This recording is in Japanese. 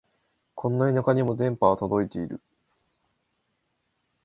こんな田舎にも電波は届いてる